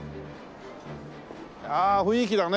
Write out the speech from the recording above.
ああ雰囲気だね。